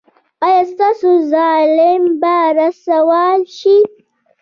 ایا ستاسو ظالم به رسوا شي؟